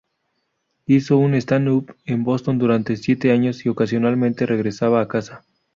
Hizo un stand-up en Boston durante siete años y ocasionalmente regresaba a casa.